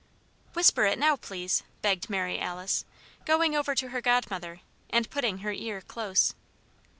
"Whisper it now, please," begged Mary Alice, going over to her godmother and putting her ear close.